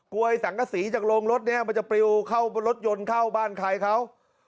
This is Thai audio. กลัวไอ้สังกษีจากโรงรถนี้มันจะปริวรถยนต์เข้าบ้านใครเขา